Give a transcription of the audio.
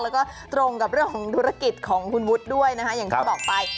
แล้วก็ตรงกับเรื่องของธุรกิจของคุณวุฒิด้วยนะคะอย่างที่บอกไป